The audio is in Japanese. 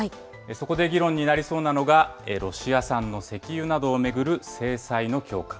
そこで議論になりそうなのが、ロシア産の石油などを巡る制裁の強化。